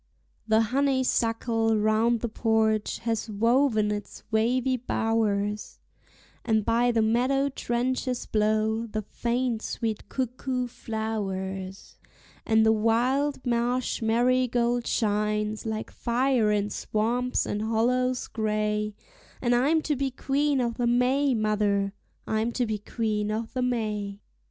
The honeysuckle round the porch has woven its wavy bowers, And by the meadow trenches blow the faint sweet cuckoo flowers; And the wild marsh marigold shines like fire in swamps and hollows gray; And I'm to be Queen o'the May, mother, I'm to be Queen o'the May.